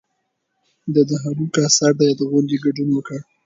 ده د هولوکاسټ د یاد غونډې کې ګډون وکړ.